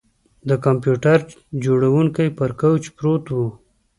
د کمپیوټر جوړونکی په کوچ پروت و